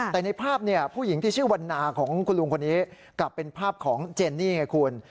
แต่ในภาพผู้หญิงที่ชื่อวันนาของคุณลุงคนนี้กลับเป็นภาพของเจนนี่ไงคุณ